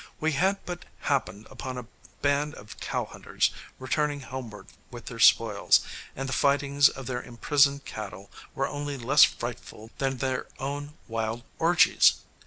We had but happened upon a band of cow hunters returning homeward with their spoils, and the fightings of their imprisoned cattle were only less frightful than their own wild orgies.